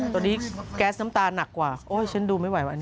ตอนนี้แก๊สน้ำตาหนักกว่าโอ้ยฉันดูไม่ไหววะ